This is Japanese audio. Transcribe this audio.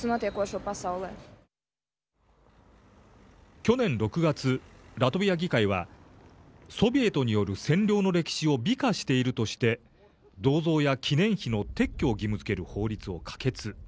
去年６月ラトビア議会はソビエトによる占領の歴史を美化しているとして銅像や記念碑の撤去を義務づける法律を可決。